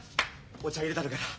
お茶入れたるから。